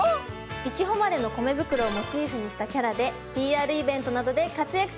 いちほまれの米袋をモチーフにしたキャラでＰＲイベントなどで活躍中なんです！